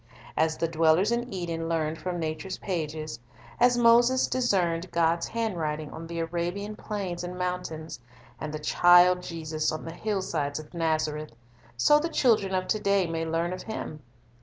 As the dwellers in Eden learned from nature's pages, as Moses discerned God's handwriting on the Arabian plains and mountains, and the Child Jesus on the hillsides of Naz areth, so the children of to day may learn of Him.